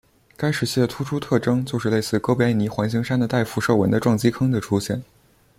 该时期的突出特征就是类似哥白尼环形山的带辐射纹的撞击坑的出现。